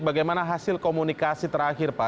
bagaimana hasil komunikasi terakhir pak